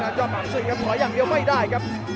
ขนาดยอดปรับสุดครับหน่อยอย่างเดียวไม่ได้ครับ